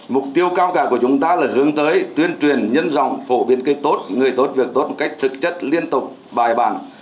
mục tiêu cao cả của chúng ta là hướng tới tuyên truyền nhân dòng phổ biến cây tốt người tốt việc tốt một cách thực chất liên tục bài bản